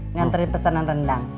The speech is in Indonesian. nganterin pesanan rendang